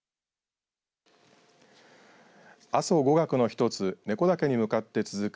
阿蘇五岳の一つ根子岳に向かって続く